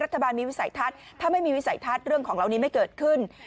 รัฐบาลมีวิสัยทัศน์ถ้าไม่มีวิสัยทัศน์เรื่องของเหล่านี้ไม่เกิดขึ้น